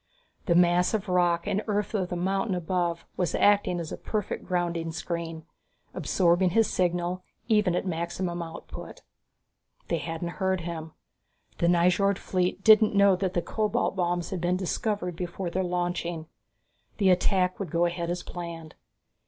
The mass of rock and earth of the mountain above was acting as a perfect grounding screen, absorbing his signal even at maximum output. They hadn't heard him. The Nyjord fleet didn't know that the cobalt bombs had been discovered before their launching. The attack would go ahead as planned.